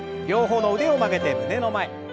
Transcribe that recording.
両方の腕を曲げて胸の前。